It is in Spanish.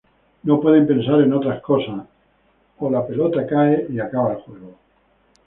No pueden pensar en otras cosas, o la pelota cae y acaba el juego.